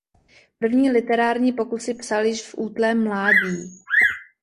První literární pokusy psal již v útlém mládí.